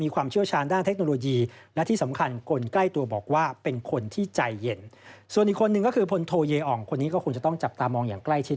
คนนี้ควรจะต้องจับตามองอย่างใกล้ชิด